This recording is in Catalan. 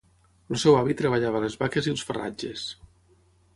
El seu avi treballava les vaques i els farratges.